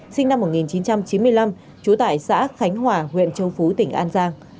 sinh năm một nghìn chín trăm chín mươi năm trú tại xã khánh hòa huyện châu phú tỉnh an giang